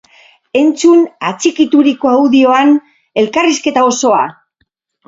Entzun atxikiturriko audioan elkarrizketa osoa!